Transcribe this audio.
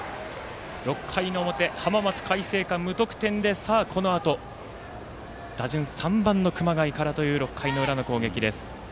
６回の表、浜松開誠館無得点で、このあと打順３番の熊谷からという６回の裏の攻撃です。